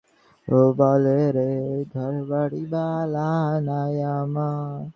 যে বাচ্চারা এ কথা বলে তাদের সে একদমই ধরে না।